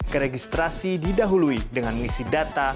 ke registrasi didahului dengan mengisi data